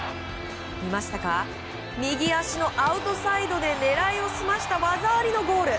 右足のアウトサイドで狙い澄ました、技ありのゴール。